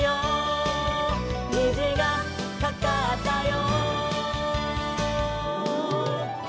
「にじがかかったよ」